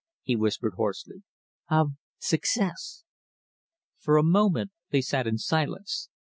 he whispered hoarsely. "Of success." For a moment they sat in silence.